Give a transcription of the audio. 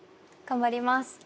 頑張ります。